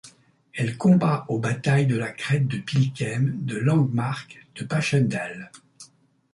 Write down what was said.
Elle combat aux batailles de la crête de Pilkem, de Langemarck, de Passchendaele.